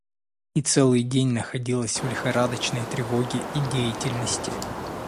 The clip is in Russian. и целый день находилась в лихорадочной тревоге и деятельности.